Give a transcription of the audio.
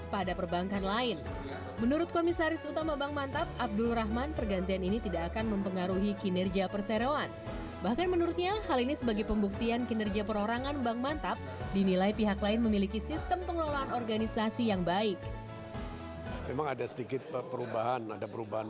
pembangunan pembangunan pembangunan